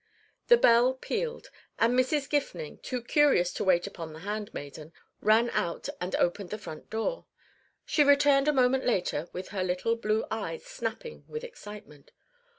The bell pealed, and Mrs. Gifning, too curious to wait upon the hand maiden, ran out and opened the front door. She returned a moment later with her little blue eyes snapping with excitement.